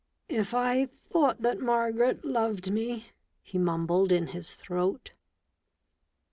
" If I thought that Margaret loved me " he mumbled in his throat.